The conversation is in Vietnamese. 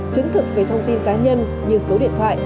chứng thực về thông tin cá nhân như số điện thoại